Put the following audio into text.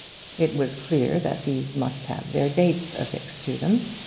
It was clear that these must have their dates affixed to them.